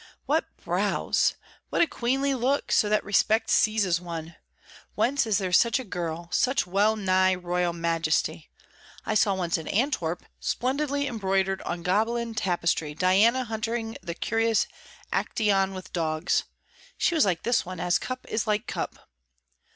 "What brows! What a queenly look, so that respect seizes one! Whence is there such a girl, such well nigh royal majesty? I saw once in Antwerp, splendidly embroidered on Gobelin tapestry Diana hunting the curious Actæon with dogs. She was like this one as cup is like cup."